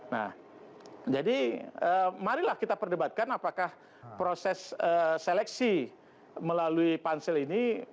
nah jadi marilah kita perdebatkan apakah proses seleksi melalui pansel ini